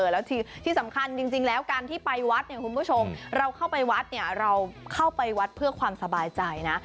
แล้วที่สำคัญจริงแล้วการที่ไปวัดเนี่ยคุณผู้ชมเราเข้าไปวัดเนี่ยเราเข้าไปวัดเพื่อความสบายใจนะ